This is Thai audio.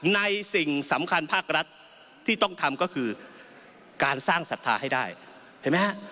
สิ่งสำคัญภาครัฐที่ต้องทำก็คือการสร้างศรัทธาให้ได้เห็นไหมฮะ